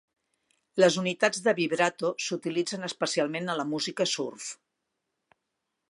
Les unitats de vibrato s'utilitzen especialment a la música surf.